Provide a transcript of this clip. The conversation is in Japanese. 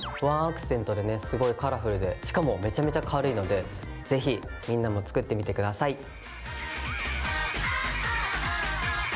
ワンアクセントでねすごいカラフルでしかもめちゃめちゃ軽いのでぜひみんなも作ってみて下さい！